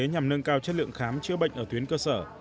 nhằm nâng cao chất lượng khám chữa bệnh ở tuyến cơ sở